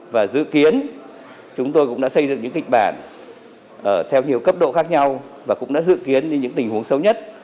và dự kiến chúng tôi cũng đã xây dựng những kịch bản theo nhiều cấp độ khác nhau và cũng đã dự kiến những tình huống xấu nhất